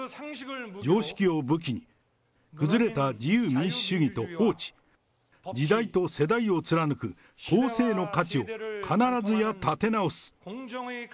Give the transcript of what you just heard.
常識を武器に、崩れた自由民主主義と法治、法治、時代と世代を貫く公生の勝ちを必ずや勝ち取る。